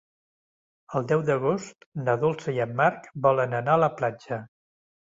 El deu d'agost na Dolça i en Marc volen anar a la platja.